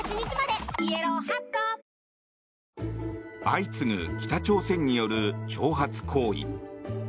相次ぐ北朝鮮による挑発行為。